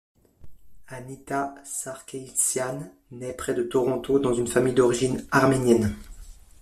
Anita Sarkeesian naît près de Toronto dans une famille d'origine arménienne.